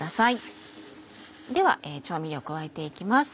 では調味料を加えて行きます。